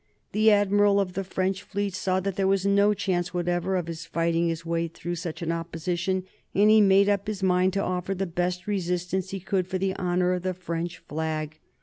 The admiral of the French fleet saw that there was no chance whatever of his fighting his way through such an opposition, and he made up his mind to offer the best resistance he could for the honor of the French flag.